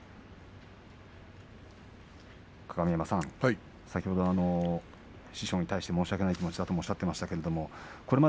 鏡山さん、先ほど師匠に対して申し訳ない気持ちだとおっしゃっていました。